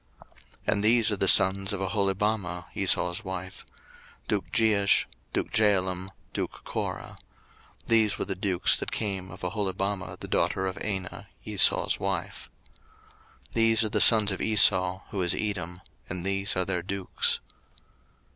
01:036:018 And these are the sons of Aholibamah Esau's wife; duke Jeush, duke Jaalam, duke Korah: these were the dukes that came of Aholibamah the daughter of Anah, Esau's wife. 01:036:019 These are the sons of Esau, who is Edom, and these are their dukes.